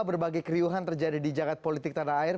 berbagai keriuhan terjadi di jagad politik tanah air